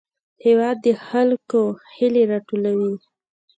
هېواد د خلکو هیلې راټولوي.